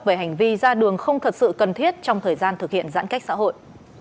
về hành vi ra đường không thật sự cần thiết trong thời gian thực hiện giãn cách xã hội